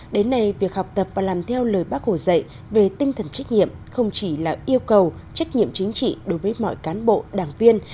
đến nay việc học tập và làm theo lời bác hồ dạy về tinh thần trách nhiệm không chỉ là yêu cầu trách nhiệm chính trị đối với mọi cán bộ đảng viên